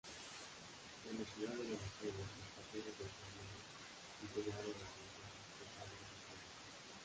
En la Ciudad de Buenos Aires, los partidos de Cambiemos integraron alianzas distritales diferentes.